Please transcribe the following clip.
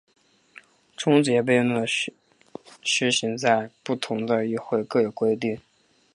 终结辩论的施行在不同的议会各有规定。